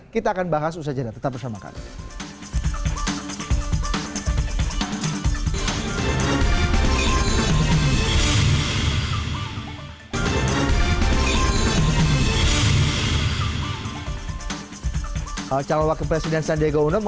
kita akan bahas usaha jadwal